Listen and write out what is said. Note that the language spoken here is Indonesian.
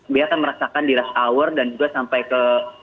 dia akan merasakan di rush hour dan juga sampai ke